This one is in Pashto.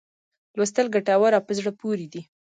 لوستل ګټور او په زړه پوري دي.